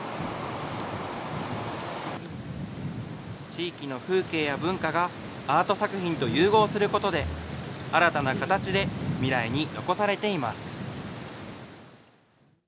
地域の風景や文化がアート作品と融合することで、新たな形で未来に残されています。